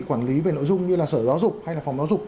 quản lý về nội dung như là sở giáo dục hay là phòng giáo dục